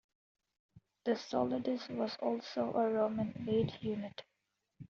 The "solidus" was also a Roman weight unit.